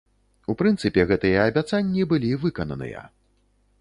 У прынцыпе, гэтыя абяцанні былі выкананыя.